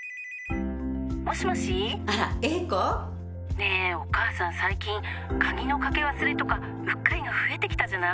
☎ねぇお母さん最近鍵の掛け忘れとかうっかりが増えてきたじゃない？